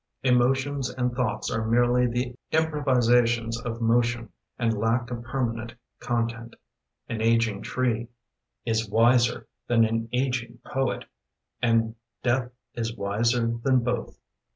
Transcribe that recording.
Emotions and thoughts are merely The improvisations of motion, And lack a permanent content. An aging tree is wiser Than an aging poet, And death is wiser than both.